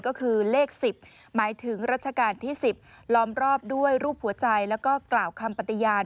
ก็คือเลข๑๐หมายถึงรัชกาลที่๑๐ล้อมรอบด้วยรูปหัวใจแล้วก็กล่าวคำปฏิญาณ